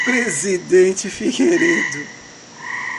Presidente Figueiredo